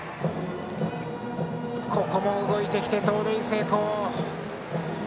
ここも動いてきて盗塁成功。